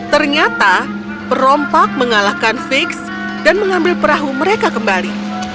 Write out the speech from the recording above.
ternyata perompak mengalahkan fix dan mengambil perahu mereka kembali